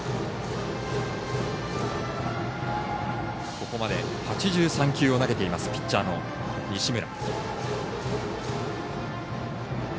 ここまで８３球を投げていますピッチャーの西村。